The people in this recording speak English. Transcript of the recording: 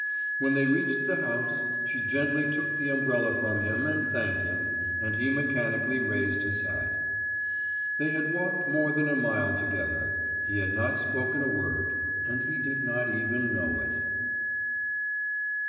When they reached the house she gently took the umbrella from him and thanked him; and he mechanically raised his hat. They had walked more than a mile together; he had not spoken a word, and he did not even know it.